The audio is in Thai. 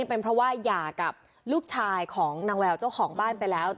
เป็นเพราะว่าหย่ากับลูกชายของนางแววเจ้าของบ้านไปแล้ว